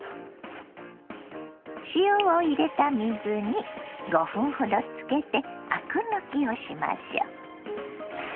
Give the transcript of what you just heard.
塩を入れた水に５分ほどつけてアク抜きをしましょ。